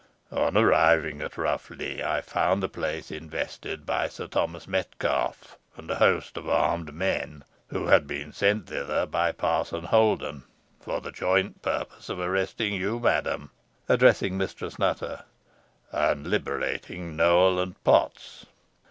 On arriving at Rough Lee, I found the place invested by Sir Thomas Metcalfe and a host of armed men, who had been sent thither by Parson Holden, for the joint purpose of arresting you, madam," addressing Mistress Nutter, "and liberating Nowell and Potts.